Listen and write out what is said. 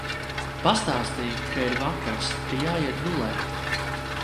Pastāstīju, ka ir vakars, ka jāiet gulēt.